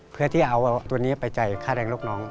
เพื่อที่เอาตัวนี้ไปจ่ายค่าแรงลูกน้อง